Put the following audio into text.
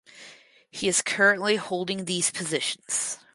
He is currently holding these positions.